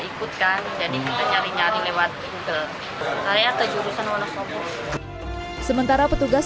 ikutkan jadi kita nyari nyari lewat google saya ke jurusan monosobus sementara petugas